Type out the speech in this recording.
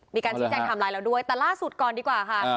มีการชี้แจงไทม์ไลน์แล้วด้วยแต่ล่าสุดก่อนดีกว่าค่ะ